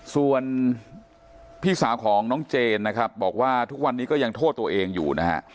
ส่วนพี่สาวของน้องเจนนะครับบอกว่าทุกวันนี้ก็ยังโทษตัวเองอยู่นะฮะ